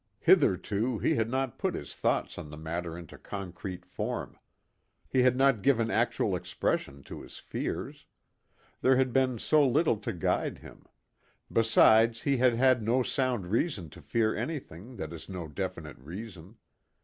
Hitherto he had not put his thoughts on the matter into concrete form. He had not given actual expression to his fears. There had been so little to guide him. Besides, he had had no sound reason to fear anything, that is no definite reason.